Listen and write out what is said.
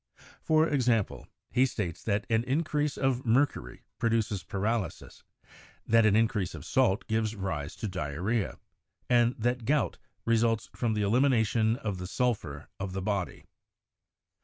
For example, he states that an increase of mercury pro duces paralysis, that an increase of salt gives rise to diar rhea, and that gout results from the elimination of the sulphur of the body.